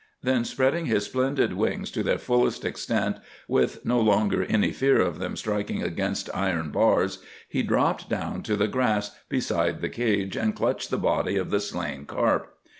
Then spreading his splendid wings to their fullest extent, with no longer any fear of them striking against iron bars, he dropped down to the grass beside the cage and clutched the body of the slain carp.